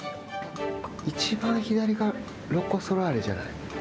いちばん左がロコ・ソラーレじゃない？